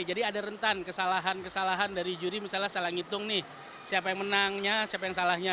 jadi ada rentan kesalahan kesalahan dari juri misalnya salah ngitung nih siapa yang menangnya siapa yang salahnya